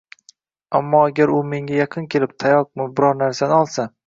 Ammo agar u menga yaqin kelib, tayoqmi, biror narsani olsa